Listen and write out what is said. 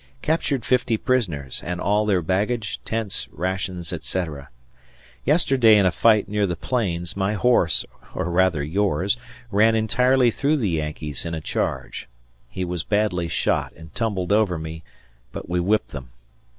Captured fifty prisoners, and all their baggage, tents, rations, etc. Yesterday in a fight near the Plains my horse (or rather yours) ran entirely through the Yankees in a charge. He was badly shot and tumbled over me, but we whipped them.